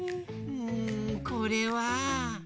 うんこれは。